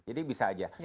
jadi bisa aja